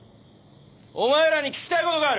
お前らに聞きたいことがある。